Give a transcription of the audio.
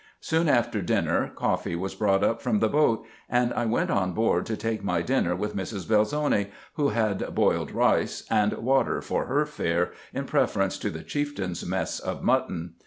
Soon after dinner coffee was brought up from the boat, and I went on board to take my dinner with Mrs. Belzoni, who had boiled rice and water for her fare, in preference to the chieftain's mess of mutton.